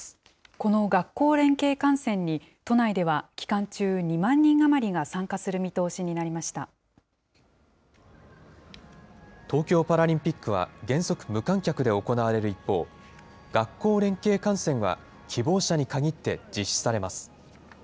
この学校連携観戦に、都内では期間中、２万人余りが参加する東京パラリンピックは、原則無観客で行われる一方、学校連携観戦は希望者に限って実施されます。